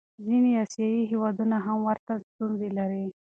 ځینې آسیایي هېوادونه هم ورته ستونزې لري.